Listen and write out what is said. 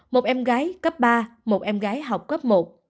một em gái cấp ba một em gái học cấp một